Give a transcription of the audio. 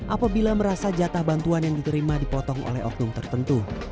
apabila merasa jatah bantuan yang diterima dipotong oleh oknum tertentu